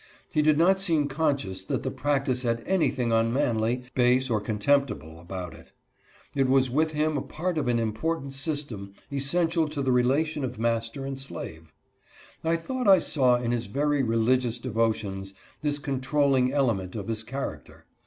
He did not seem conscious that the practice had anything unmanly, base or contemptible about it. It was with him a part of an important system essential to the rela tion of master and slave. I thought I saw, in his very religious devotions, this controlling element of his char acter.